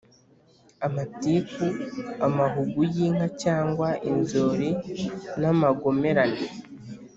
- amatiku, amahugu y'inka cyangwa inzuri n"amagomerane